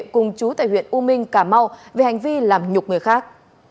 cùng chú tại huyện u minh cà mau về hành vi làm nhục người khác